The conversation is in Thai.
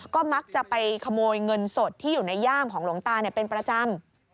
ก็มักจะไปขโมยเงินสดที่อยู่ในย่ามของหลวงตาเป็นประจำ